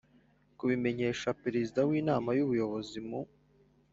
kubimenyesha Perezida w Inama y Ubuyobozi mu